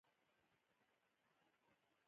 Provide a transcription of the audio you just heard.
دده له درد سره اکبرجان هم دردېږي خپه کېږي.